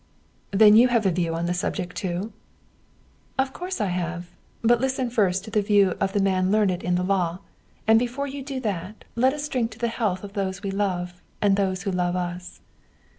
"Then you have a view on the subject, too?" "Of course I have; but listen first to the view of the man learned in the law, and before you do that, let us drink to the health of those we love, and those who love us."